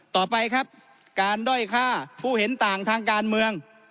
ต่อไปครับการด้อยฆ่าผู้เห็นต่างทางการเมือง